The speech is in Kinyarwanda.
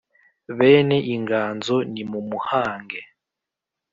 Bene inganzo nimumuhange